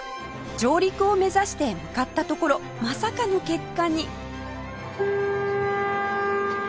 上陸を目指して向かったところまさかの結果に